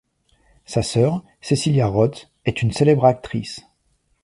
Sa sœur, Cecilia Roth, est une célèbre actrice.